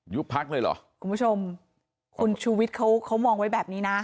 พักเลยเหรอคุณผู้ชมคุณชูวิทย์เขาเขามองไว้แบบนี้นะ